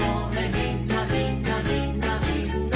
みんなみんなみんなみんな」